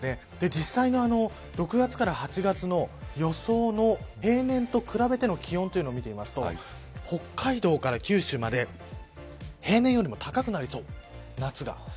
実際の６月から８月の予想の平年と比べての気温を見てみると北海道から九州まで平年よりも高くなりそう、夏が。